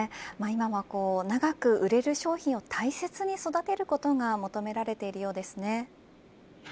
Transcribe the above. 今は、長く売れる商品を大切に育てることが求められているようですね。